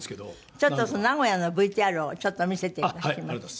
ちょっとその名古屋のＶＴＲをちょっと見せていただきます。